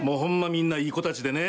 みんないい子たちでね。